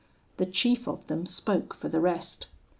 The chief of them spoke for the rest.